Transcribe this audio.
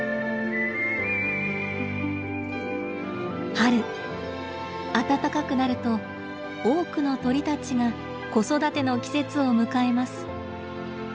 春暖かくなると多くの鳥たちが子育ての季節を迎えます。